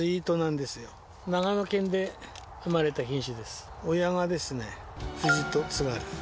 長野県で生まれた品種です。